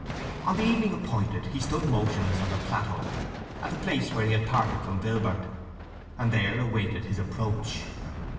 On the evening appointed he stood motionless on the plateau, at the place where he had parted from Vilbert, and there awaited his approach.